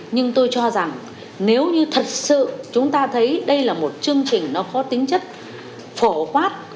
nhưng tôi cho rằng nếu như thật sự chúng ta thấy đây là một chương trình nó có tính chất phổ quát